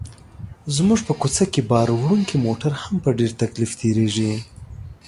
زموږ په کوڅه کې باروړونکي موټر هم په ډېر تکلیف تېرېږي.